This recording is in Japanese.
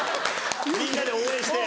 みんなで応援して。